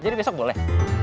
jadi besok boleh